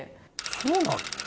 そうなの？